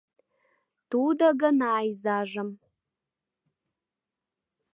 Тудо гына изажым